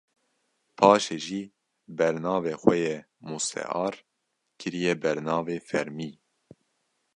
paşê jî bernavê xwe yê mustear kiriye bernavê fermî